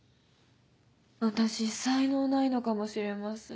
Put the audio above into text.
私才能ないのかもしれません。